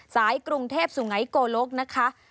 สายกรุงเทพศ์สุงัยโกรกนะคะ